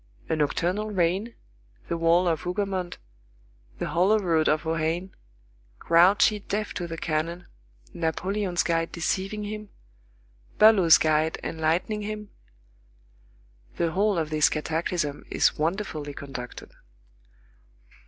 A nocturnal rain, the wall of Hougomont, the hollow road of Ohain, Grouchy deaf to the cannon, Napoleon's guide deceiving him, Bülow's guide enlightening him,—the whole of this cataclysm is wonderfully conducted.